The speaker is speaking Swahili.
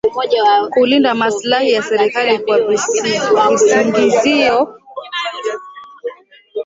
kulinda maslahi ya serikali kwa kisingizio cha wa wananchi